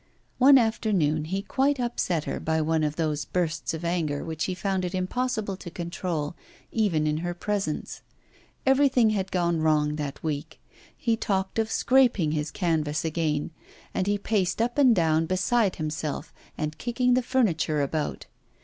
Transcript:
One afternoon he quite upset her by one of those bursts of anger which he found it impossible to control, even in her presence. Everything had gone wrong that week; he talked of scraping his canvas again, and he paced up and down, beside himself, and kicking the furniture about.